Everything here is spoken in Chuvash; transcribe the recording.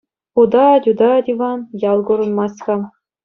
Утать-утать Иван, ял курӑнмасть-ха.